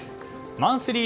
マンスリー